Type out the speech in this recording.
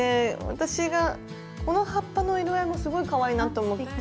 私がこの葉っぱの色合いもすごいかわいいなと思って。